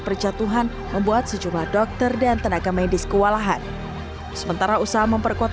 percatuhan membuat sejumlah dokter dan tenaga medis kewalahan sementara usaha memperkuat